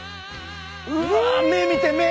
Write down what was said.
うわ目見て目！